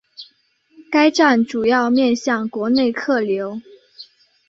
该站主要面向国内客流。